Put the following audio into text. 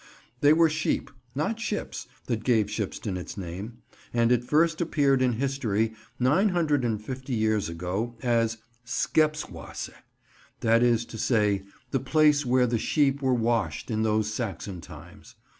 They were sheep, not ships, that gave Shipston its name, and it first appears in history, nine hundred and fifty years ago, as "Scepewasce"; that is to say, the place where the sheep were washed in those Saxon times.